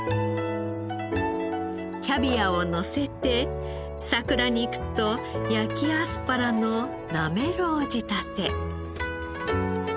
キャビアをのせて桜肉と焼きアスパラのなめろう仕立て。